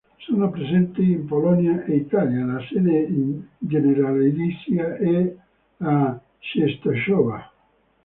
Sono presenti in Polonia e Italia; la sede generalizia è a Częstochowa.